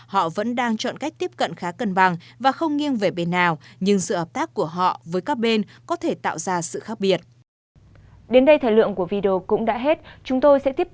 họ vẫn đang chọn cách tiếp cận khá cân bằng và không nghiêng về bên nào nhưng sự hợp tác của họ với các bên có thể tạo ra sự khác biệt